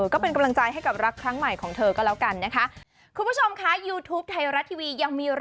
เกรงใจก็ไม่ต้องปิดอะไรไม่ต้องปิดอืมไม่ต้องปิด